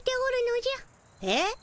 えっ？